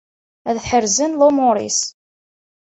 Ad ḥerzen lumur-is.